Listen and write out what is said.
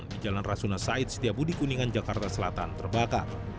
di jalan rasuna said setiabudi kuningan jakarta selatan terbakar